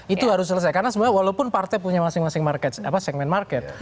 itu harus selesai karena sebenarnya walaupun partai punya masing masing segmen market